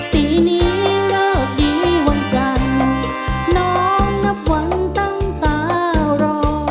ปีนี้เลิกดีวันจันทร์น้องนับวันตั้งตารอ